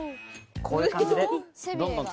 こういう感じで。